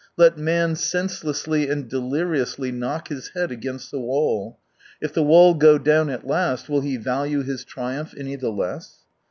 Let man senselessly and deliriously knock his head against the wall — if the wall go down at last, will he value his triumph any the less